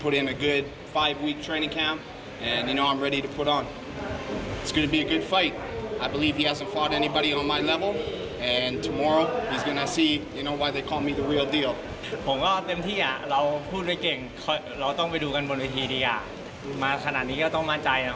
แต่ว่าเราพูดไว้เกรงเราต้องไปดูกันบนวิธีนี้ก่อนมาขนาดนี้ก็ต้องมั่นใจนะแล้ว